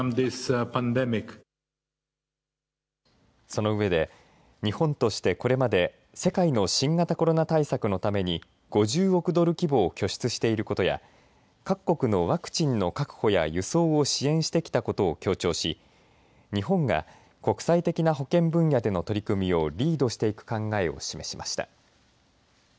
その上で日本として、これまで世界の新型コロナ対策のために５０億ドル規模を拠出していることや各国のワクチンの確保や輸送を支援してきたことを強調し日本が国際的な保健分野での取り組みをリードしていく考えを示しました。